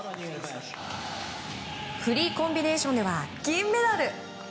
フリーコンビネーションでは銀メダル。